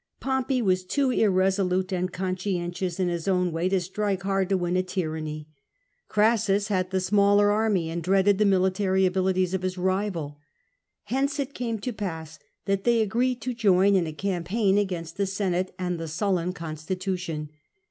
Pompey was too irresolute and conscientious, in his own way, to strike hard to win a tyranny. Crassua had the smaller army, and dreaded the military abilities of his rival. Hence it came to pass that they agreed to join in a campaign against the Senate and the Sullan constitution.